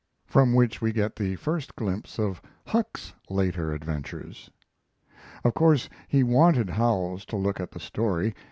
From which we get the first glimpse of Huck's later adventures. Of course he wanted Howells to look at the story.